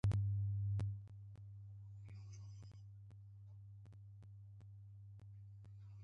په باران کې له طبیلې څخه وچ او بوی لرونکی.